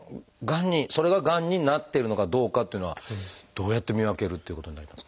それががんになってるのかどうかっていうのはどうやって見分けるっていうことになりますか？